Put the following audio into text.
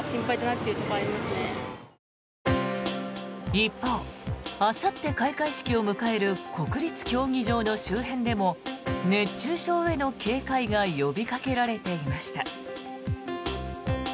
一方、あさって開会式を迎える国立競技場の周辺でも熱中症への警戒が呼びかけられていました。